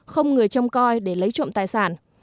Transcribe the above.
không người trông coi để lấy trộm tài sản